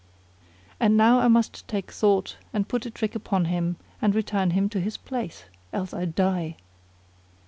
And now I must take thought and put a trick upon him and return him to his place, else I die."